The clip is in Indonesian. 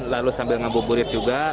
lalu sambil ngapu burit juga